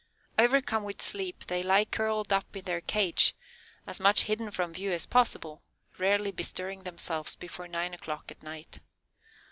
Overcome with sleep they lie curled up in their cage, as much hidden from view as possible, rarely bestirring themselves before nine o'clock at night.